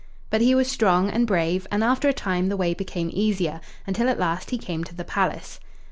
But he was strong and brave, and after a time the way became easier, until at last he came to the palace.